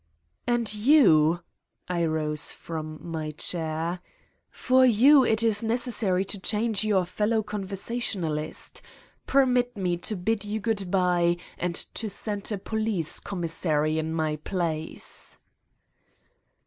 "And you" I rose from my chair "for you it is necessary to change your fellow conversation alist. Permit me to bid you good by and to send a police commissary in my place."